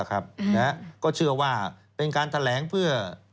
ก็เชื่อว่าเป็นการแถลงเพื่อ